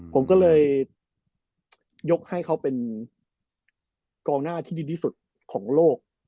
ผมก็เลยยกให้เขาเป็นกองหน้าที่ดีที่สุดของโลก